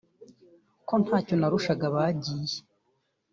“Ko ntacyo narushaka abagiye